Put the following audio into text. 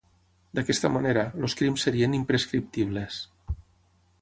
D'aquesta manera, els crims serien imprescriptibles.